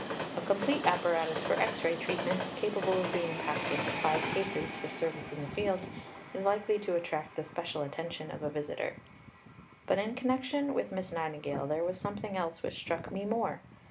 A complete apparatus for X ray treatment, capable of being packed into five cases for service in the field, is likely to attract the special attention of a visitor. But in connection with Miss Nightingale there was something else which struck me more.